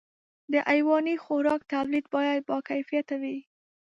د حيواني خوراک توليد باید باکیفیته وي.